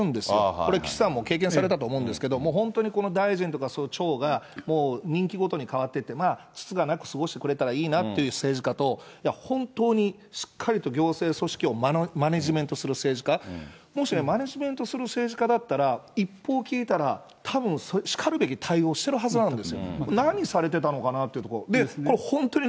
これ、岸さんも経験されたと思うんですけれども、もう本当にこの大臣とかそういう長が、もう任期ごとに代わってて、つつがなく過ごしてくれたらいいなという政治家と、本当にしっかりと行政組織をマネジメントする政治家、もしね、マネジメントする政治家だったら、一報を聞いたら、たぶんしかるべき対応をしてるはずなんですよ。